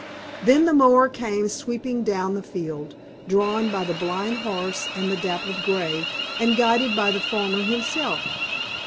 Then the mower came sweeping down the field, drawn by the Blind Horse and the Dappled Gray, and guided by the farmer himself.